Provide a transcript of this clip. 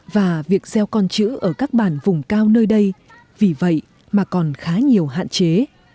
và việc gieo con chữ ở các bản vùng cao nơi đây vì vậy mà còn khá nhiều hạn chế